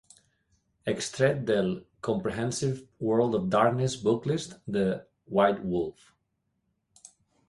Extret del "Comprehensive World of Darkness Booklist" de "White Wolf".